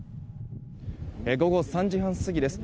午後３時半過ぎです。